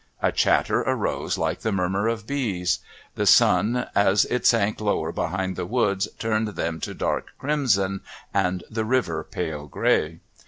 A chatter arose like the murmur of bees. The sun as it sank lower behind the woods turned them to dark crimson and the river pale grey.